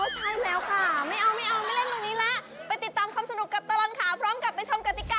ใช่แล้วค่ะไม่เอาไม่เล่นตรงนี้ละ